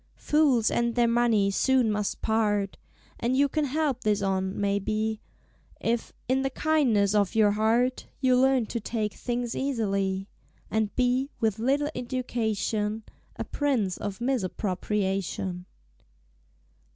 "Fools and Their Money soon must part!" And you can help this on, may be, If, in the kindness of your Heart, You Learn to Take things easily; And be, with little education, A Prince of Misappropriation.